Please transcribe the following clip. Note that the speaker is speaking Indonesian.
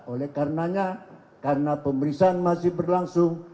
oleh karenanya karena pemeriksaan masih berlangsung